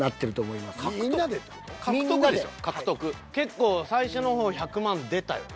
結構最初の方１００万出たよな？